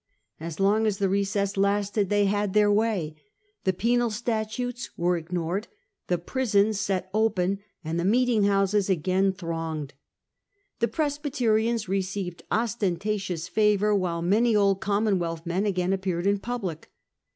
As long as the recess lasted they had their way. The penal statutes were ignored, the prisons set open, and R wed t ^ ie meet * n £'k° uses a g a i n thronged. The attempt at Presbyterians received ostentatious favour, toleration. w hft e many old Commonwealth men again appeared in public.